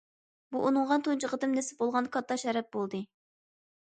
بۇ ئۇنىڭغا تۇنجى قېتىم نېسىپ بولغان كاتتا شەرەپ بولدى.